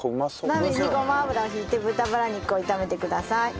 鍋にごま油を引いて豚バラ肉を炒めてください。